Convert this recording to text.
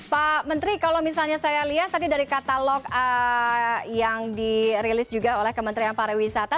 pak menteri kalau misalnya saya lihat tadi dari katalog yang dirilis juga oleh kementerian pariwisata